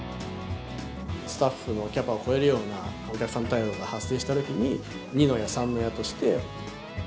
スタッフのキャパを超えるようなお客さん対応が発生したときに、二の矢、三の矢として。